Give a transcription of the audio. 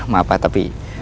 maaf pak tapi